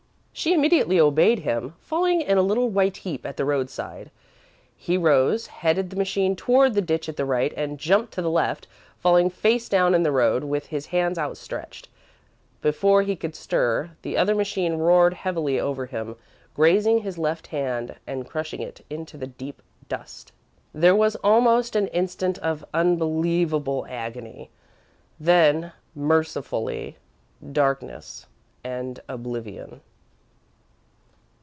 She immediately obeyed him, falling in a little white heap at the roadside. He rose, headed the machine toward the ditch at the right, and jumped to the left, falling face down in the road with his hands outstretched, Before he could stir, the other machine roared heavily over him, grazing his left hand and crushing it into the deep dust. There was almost an instant of unbelievable agony, then, mercifully, darkness and oblivion.